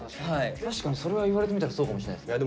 確かにそれは言われてみたらそうかもしれないですね。